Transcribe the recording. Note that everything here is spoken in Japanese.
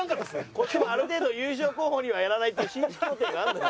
こっちもある程度優勝候補にはやらないっていう紳士協定があるのよ。